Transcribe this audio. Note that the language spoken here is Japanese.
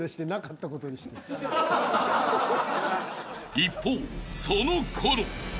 ［一方そのころ］